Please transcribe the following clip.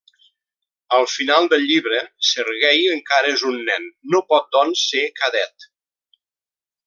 Al final del llibre, Serguei encara és un nen, no pot doncs ser cadet.